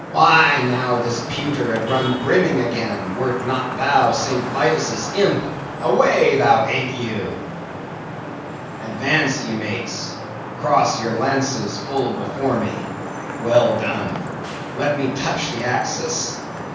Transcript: Why, now, this pewter had run brimming again, wer't not thou St. Vitus' imp—away, thou ague! "Advance, ye mates! Cross your lances full before me. Well done! Let me touch the axis."